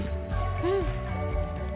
うん。